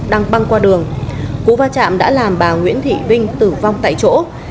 đang băng qua đường cú va chạm đã làm bà nguyễn thị vinh tử vong tại chỗ